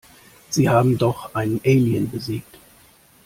Sie haben doch einen Alien besiegt.